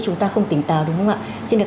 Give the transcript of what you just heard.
chúng ta không tỉnh tào đúng không ạ xin được